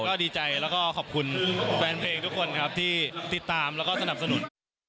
ก็ดีใจแล้วก็ขอบคุณแฟนเพลงทุกคนครับที่ติดตามแล้วก็สนับสนุน